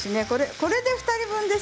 これで２人分です。